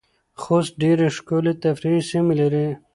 خوست ډیرې ښکلې تفریحې سیمې لرې